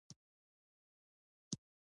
طريقه روح پوه نه شو.